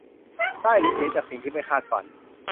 ได้หรือเสียจากสิ่งที่ไม่คาดฝัน